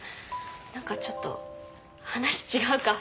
何かちょっと話違うか。